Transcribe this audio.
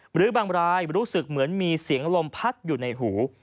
หรือบางรายรู้สึกเหมือนมีเสียงลมพัดอยู่ในหู